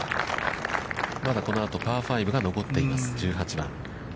まだこのあと、パー５が残っています、１８番。